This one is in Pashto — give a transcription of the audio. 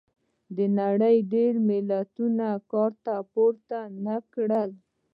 د نړۍ ډېری ملتونو ګټه پورته نه کړه.